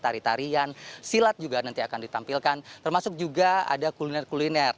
tari tarian silat juga nanti akan ditampilkan termasuk juga ada kuliner kuliner